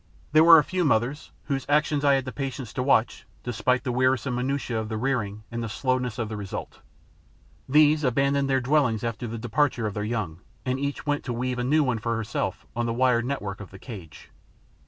There were a few mothers whose actions I had the patience to watch, despite the wearisome minutiae of the rearing and the slowness of the result. These abandoned their dwellings after the departure of their young; and each went to weave a new one for herself on the wire net work of the cage.